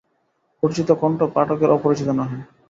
পরিচিত কণ্ঠ পাঠকের অপরিচিত নহে।